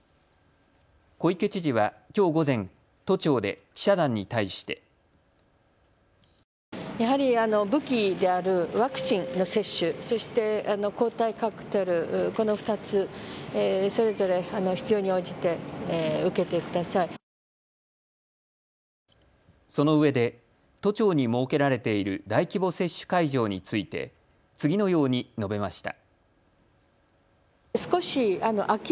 小池知事はきょう午前、都庁で記者団に対して。そのうえで都庁に設けられている大規模接種会場について次のように述べました。